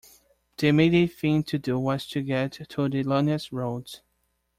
The immediate thing to do was to get to the loneliest roads.